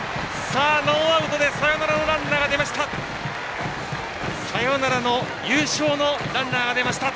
さあ、ノーアウトでサヨナラのランナーが出ました。